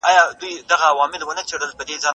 ځوانان به د شريعت پر اصولو خپل ژوند سم کړي.